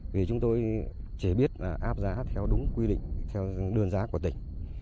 vì chúng tôi chỉ biết là áp giá theo đúng quy định theo đơn giá của tỉnh